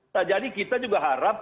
nah jadi kita juga harap